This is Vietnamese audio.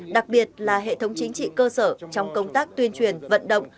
đặc biệt là hệ thống chính trị cơ sở trong công tác tuyên truyền vận động